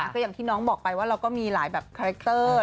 ก็อย่างที่น้องบอกไปว่าเราก็มีหลายแบบคาแรคเตอร์